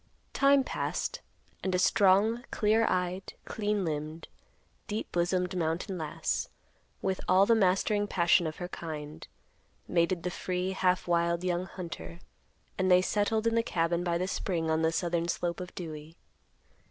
Time passed, and a strong, clear eyed, clean limbed, deep bosomed mountain lass, with all the mastering passion of her kind, mated the free, half wild, young hunter; and they settled in the cabin by the spring on the southern slope of Dewey.